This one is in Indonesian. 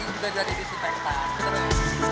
tadi sudah jadi disinfektan